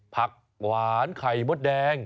ผักหวานไข่มดแดง